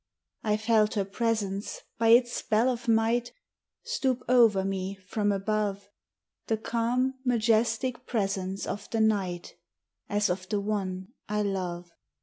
I felt her presence, by its spell of might, Stoop o'er me from above; The calm, majestic presence of the Night, As of the one I love.